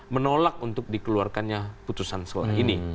menolak untuk dikeluarkannya putusan setelah ini